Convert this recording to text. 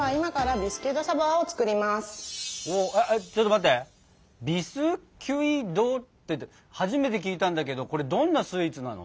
「ビスキュイ・ド」って初めて聞いたんだけどこれどんなスイーツなの？